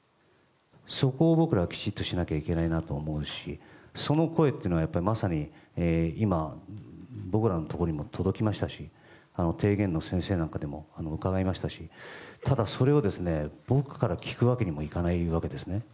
そこを僕らは、きちんとしなきゃいけないと思うしその声というのはまさに今、僕らのところにも届きましたし提言の先生なんかにも伺いましたしただ、それを僕から聞くわけにもいかないわけです。